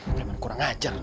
keren banget kurang ajar